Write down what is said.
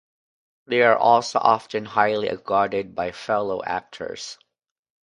They are also often highly regarded by fellow actors.